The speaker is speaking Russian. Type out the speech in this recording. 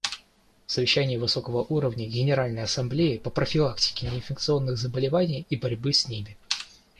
Совещание высокого уровня Генеральной Ассамблеи по профилактике неинфекционных заболеваний и борьбе с ними.